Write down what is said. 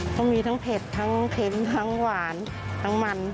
เขามีทั้งเผ็ดทั้งเค็มทั้งหวานทั้งมัน